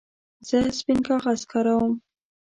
زه سپین کاغذ کاروم.